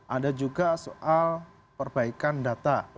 ada juga soal perbaikan data